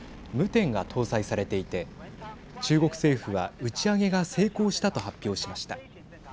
天が搭載されていて中国政府は打ち上げが成功したと発表しました。